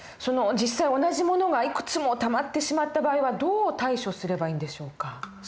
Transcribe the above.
実際同じ物がいくつもたまってしまった場合はどう対処すればいいんでしょうか？